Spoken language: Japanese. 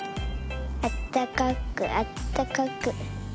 あったかくあったかく。